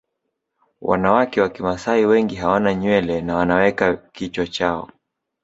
Wanawake wa Kimasai wengi hawana nywele na wanaweka kichwa chao